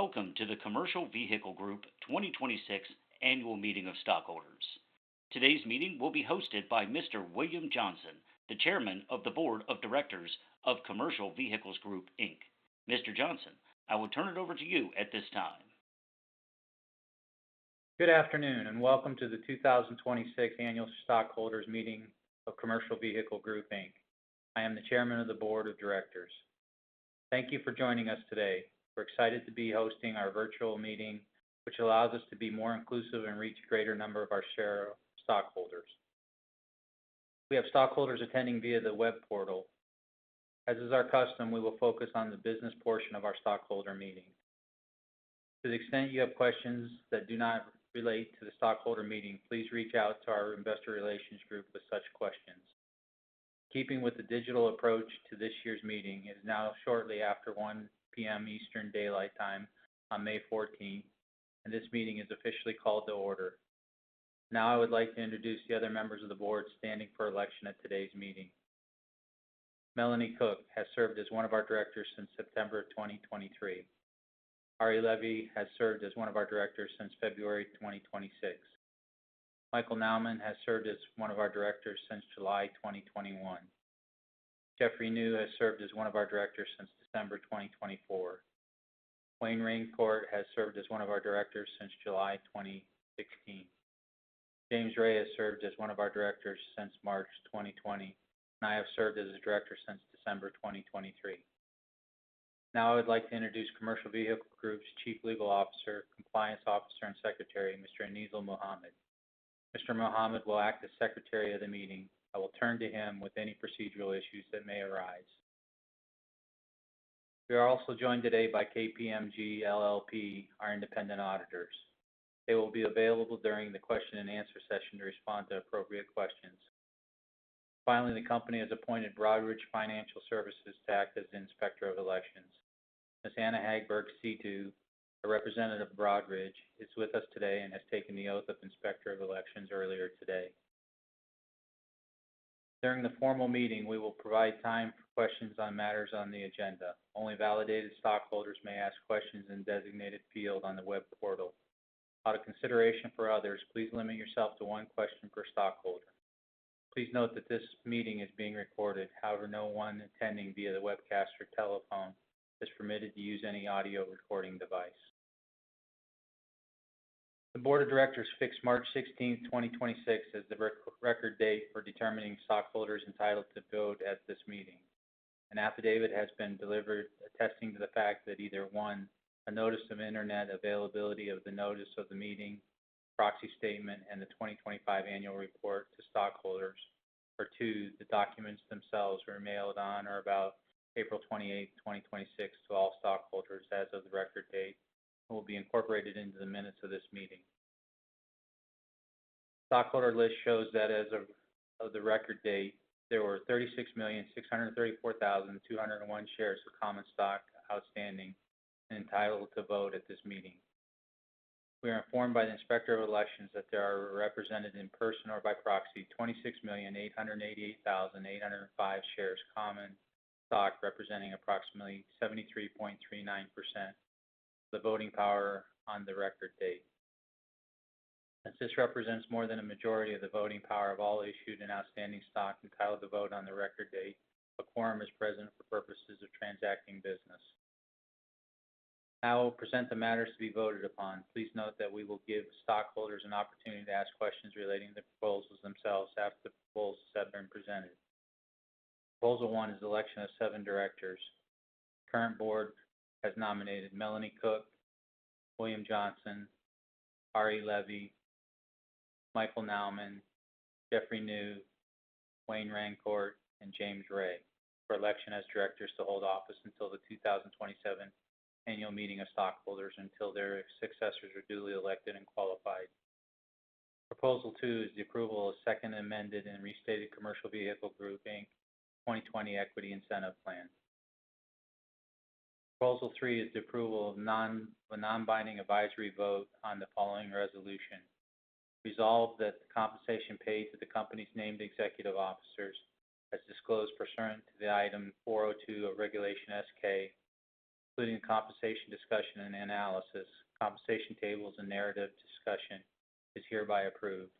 Welcome to the Commercial Vehicle Group 2026 annual meeting of stockholders. Today's meeting will be hosted by Mr. William Johnson, the Chairman of the Board of Directors of Commercial Vehicle Group, Inc. Mr. Johnson, I will turn it over to you at this time. Good afternoon, welcome to the 2026 annual stockholders meeting of Commercial Vehicle Group, Inc. I am the chairman of the board of directors. Thank you for joining us today. We're excited to be hosting our virtual meeting, which allows us to be more inclusive and reach greater number of our share stockholders. We have stockholders attending via the web portal. As is our custom, we will focus on the business portion of our stockholder meeting. To the extent you have questions that do not relate to the stockholder meeting, please reach out to our investor relations group with such questions. Keeping with the digital approach to this year's meeting, it is now shortly after 1:00 P.M. Eastern Daylight Time on May 14th, and this meeting is officially called to order. I would like to introduce the other members of the board standing for election at today's meeting. Melanie Cook has served as one of our directors since September 2023. Ari Levy has served as one of our directors since February 2026. Michael Nauman has served as one of our directors since July 2021. Jeffrey Niew has served as one of our directors since December 2024. Wayne Rancourt has served as one of our directors since July 2016. James Ray has served as one of our directors since March 2020. I have served as a director since December 2023. I would like to introduce Commercial Vehicle Group's Chief Legal Officer, Compliance Officer, and Secretary, Mr. Aneezal Mohamed. Mr. Mohamed will act as secretary of the meeting. I will turn to him with any procedural issues that may arise. We are also joined today by KPMG LLP, our independent auditors. They will be available during the question-and-answer session to respond to appropriate questions. Finally, the company has appointed Broadridge Financial Solutions to act as Inspector of Elections. Ms. Anna Hagberg-Setu, a representative of Broadridge, is with us today and has taken the oath of Inspector of Elections earlier today. During the formal meeting, we will provide time for questions on matters on the agenda. Only validated stockholders may ask questions in designated field on the web portal. Out of consideration for others, please limit yourself to one question per stockholder. Please note that this meeting is being recorded. However, no one attending via the webcast or telephone is permitted to use any audio recording device. The board of directors fixed March 16th, 2026 as the record date for determining stockholders entitled to vote at this meeting. An affidavit has been delivered attesting to the fact that either, one, a notice of internet availability of the notice of the meeting, proxy statement, and the 2025 annual report to stockholders, or two, the documents themselves were mailed on or about April 28th, 2026 to all stockholders as of the record date and will be incorporated into the minutes of this meeting. Stockholder list shows that as of the record date, there were 36,634,201 shares of common stock outstanding entitled to vote at this meeting. We are informed by the Inspector of Elections that there are represented in person or by proxy 26,888,805 shares common stock, representing approximately 73.39% the voting power on the record date. As this represents more than a majority of the voting power of all issued and outstanding stock entitled to vote on the record date, a quorum is present for purposes of transacting business. I will present the matters to be voted upon. Please note that we will give stockholders an opportunity to ask questions relating to the proposals themselves after the proposals have been presented. Proposal 1 is election of seven Directors. Current board has nominated Melanie Cook, William Johnson, Ari Levy, Michael Nauman, Jeffrey Niew, Wayne Rancourt, and James Ray for election as directors to hold office until the 2027 annual meeting of stockholders until their successors are duly elected and qualified. Proposal 2 is the approval of Second Amended and Restated Commercial Vehicle Group, Inc. 2020 Equity Incentive Plan. Proposal 3 is the approval of a non-binding advisory vote on the following resolution. Resolved that the compensation paid to the company's named executive officers, as disclosed pursuant to item 402 of Regulation S-K, including compensation discussion and analysis, compensation tables and narrative discussion, is hereby approved.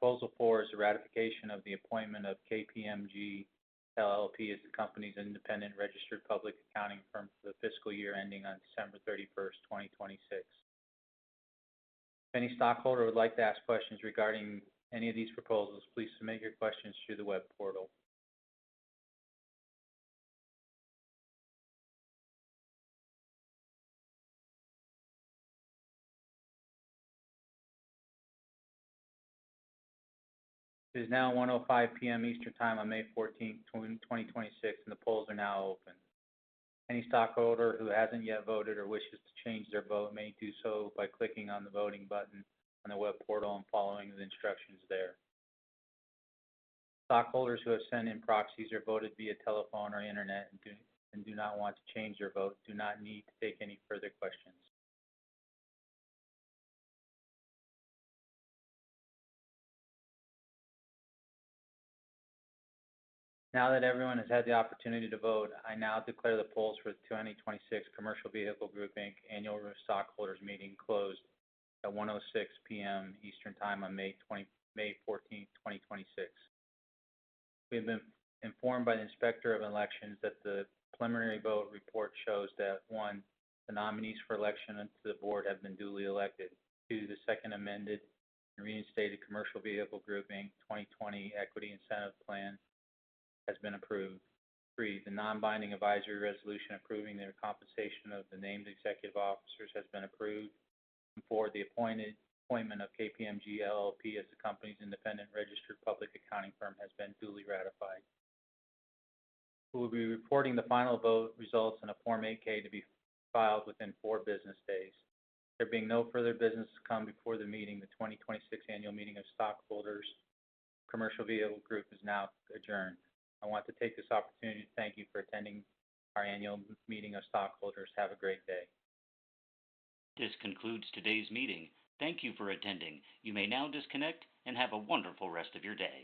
Proposal 4 is the ratification of the appointment of KPMG LLP as the company's independent registered public accounting firm for the fiscal year ending on December 31st, 2026. If any stockholder would like to ask questions regarding any of these proposals, please submit your questions through the web portal. It is now 1:05 P.M. Eastern Time on May 14th, 2026, and the polls are now open. Any stockholder who hasn't yet voted or wishes to change their vote may do so by clicking on the voting button on the web portal and following the instructions there. Stockholders who have sent in proxies or voted via telephone or internet and do not want to change their vote do not need to take any further questions. Now that everyone has had the opportunity to vote, I now declare the polls for the 2026 Commercial Vehicle Group, Inc. annual stockholders meeting closed at 1:06 P.M. Eastern Time on May fourteenth, 2026. We have been informed by the Inspector of Elections that the preliminary vote report shows that. One, the nominees for election onto the board have been duly elected. Two. the Second Amended and Restated Commercial Vehicle Group, Inc. 2020 Equity Incentive Plan has been approved. Three. the non-binding advisory resolution approving the compensation of the named executive officers has been approved. Four. the appointment of KPMG LLP as the company's independent registered public accounting firm has been duly ratified. We will be reporting the final vote results in a Form 8-K to be filed within four business days. There being no further business to come before the meeting, the 2026 annual meeting of stockholders, Commercial Vehicle Group is now adjourned. I want to take this opportunity to thank you for attending our annual meeting of stockholders. Have a great day. This concludes today's meeting. Thank you for attending. You may now disconnect and have a wonderful rest of your day.